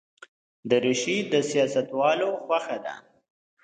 دریشي د سیاستوالو خوښه ده.